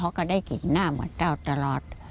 ก็ได้กลิ่นหน้าเหมือนเต้าตลอด